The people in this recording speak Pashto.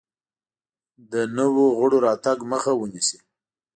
نویو غړو راتګ مخه ونیسي.